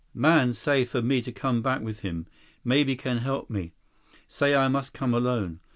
"Man say for me to come back with him. Maybe can help me. Say I must come alone.